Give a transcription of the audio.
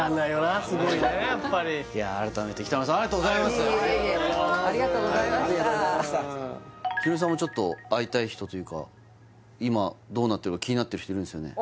すごいすごいねやっぱりいや改めてヒロミさんもちょっと会いたい人というか今どうなってるか気になってる人いるんすよね